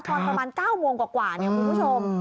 ตอนประมาณ๙โมงกว่าเนี่ยคุณผู้ชม